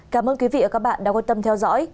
cảm ơn quý vị và các bạn đã quan tâm theo dõi